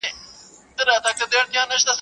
o له بارانه وﻻړ سوې، تر ناوې لاندي کښېنستې.